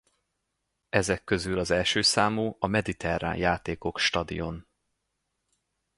Ezek közül az első számú a Mediterrán Játékok Stadion.